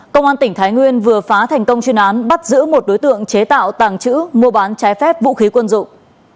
công an tỉnh thái nguyên vừa phá thành công chuyên án bắt giữ một đối tượng chế tạo tàng trữ mua bán trái phép vũ khí quân dụng